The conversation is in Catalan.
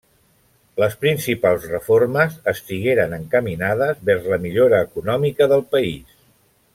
Les principals reformes estigueren encaminades vers la millora econòmica del país.